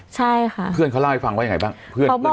ใช่ค่ะเพื่อนเขาเล่าให้ฟังว่าอย่างไรบ้างเพื่อนคนที่มารับ